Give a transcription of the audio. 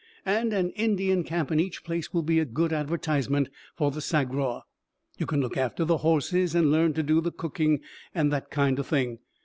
And an Indian camp in each place will be a good advertisement for the Sagraw. You can look after the horses and learn to do the cooking and that kind o' thing.